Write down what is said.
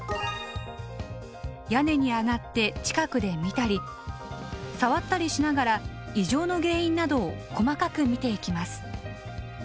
屋根に上がって近くで見たり触ったりしながら異常の原因などを細かく診ていきます。